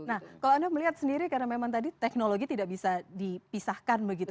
nah kalau anda melihat sendiri karena memang tadi teknologi tidak bisa dipisahkan begitu